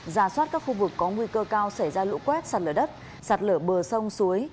giả soát các khu vực có nguy cơ cao xảy ra lũ quét sạt lở đất sạt lở bờ sông suối